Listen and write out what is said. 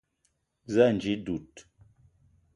Za ànji dud